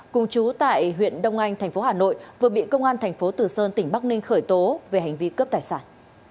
cùng chú tại huyện đông anh tp hà nội vừa bị công an tp tử sơn tỉnh bắc ninh khởi tố về hành vi cướp tài sản